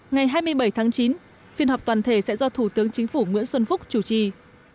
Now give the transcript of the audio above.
ngày hai mươi bảy tháng chín phiên họp toàn thể sẽ do thủ tướng chính phủ nguyễn xuân phúc chủ trì